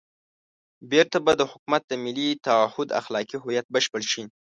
بېرته به د حکومت د ملي تعهُد اخلاقي هویت بشپړ شي.